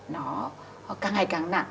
nó càng ngày càng nặng